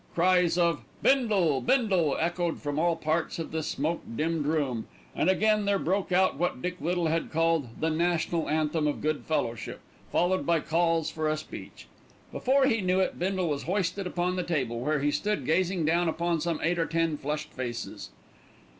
Cries of "Bindle! Bindle!" echoed from all parts of the smoke dimmed room, and again there broke out what Dick Little called "the National Anthem of Good Fellowship," followed by calls for a speech. Before he knew it Bindle was hoisted upon the table, where he stood gazing down upon some eight or ten flushed faces.